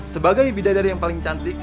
sebagai bidadar yang paling cantik